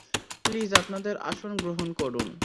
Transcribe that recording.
Please আপনাদের আসন গ্রহণ করুন।